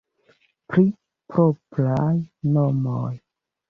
Pri propraj nomoj.